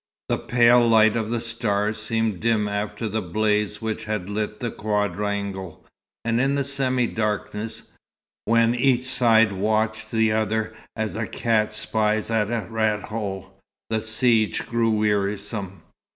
The pale light of the stars seemed dim after the blaze which had lit the quadrangle, and in the semi darkness, when each side watched the other as a cat spies at a rat hole, the siege grew wearisome.